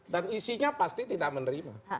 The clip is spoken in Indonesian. dan isinya pasti tidak menerima